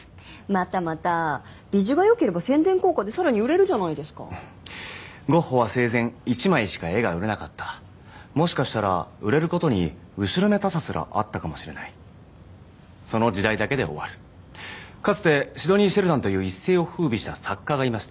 またまたビジュがよければ宣伝効果でさらに売れるじゃないですかゴッホは生前１枚しか絵が売れなかったもしかしたら売れることに後ろめたさすらあったかもしれないその時代だけで終わるかつてシドニィ・シェルダンという一世をふうびした作家がいました